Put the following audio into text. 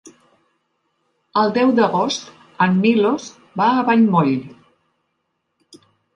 El deu d'agost en Milos va a Vallmoll.